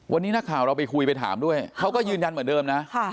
วันนี้นักข่าวเราไปคุยไปถามด้วยเขาก็ยืนยันเหมือนเดิมนะ